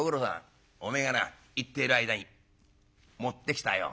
お前がな行っている間に持ってきたよ